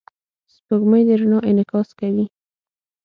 سپوږمۍ د رڼا انعکاس کوي.